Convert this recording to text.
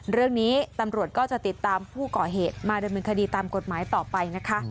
เรื่องนี้ตำรวจก็จะติดตามผู้ก่อเหตุมาดำเนินคดีตามกฎหมายต่อไปนะคะ